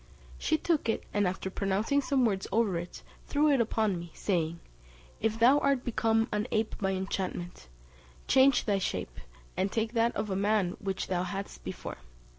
She took it, and after pronouncing some words over it, threw it upon me, saying, "If thou art become an ape by enchantment, change thy shape, and take that of a man which thou hadst before."